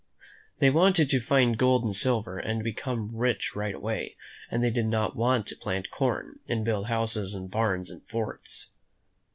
They wanted to find gold and silver and become rich right away, and they did not want to plant corn, and build houses, and barns, and forts.